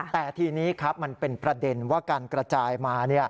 แต่ทีนี้ครับมันเป็นประเด็นว่าการกระจายมา